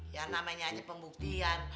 ya namanya aja pembuktian